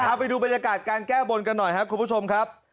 เอาไปดูบรรยากาศการแก้บนกันหน่อยครับคุณผู้ชมครับ